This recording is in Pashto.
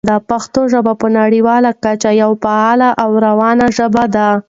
پښتو ژبه په نړیواله کچه یوه فعاله او روانه ژبه کړئ.